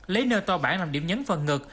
lấy nơi to bản làm điểm nhấn phần ngực